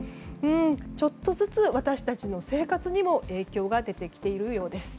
ちょっとずつ私たちの生活にも影響が出てきているようです。